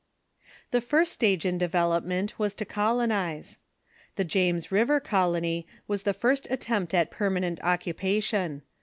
The first stage in development was to colonize. The James River Colony was the first attempt at permanent occupation.